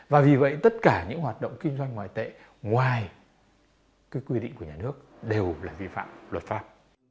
và vì vậy tất cả những hoạt động kinh doanh ngoại tệ ngoài quy định của nhà nước đều là vi phạm luật pháp